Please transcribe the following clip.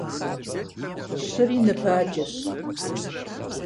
Щыри ныбаджэщ.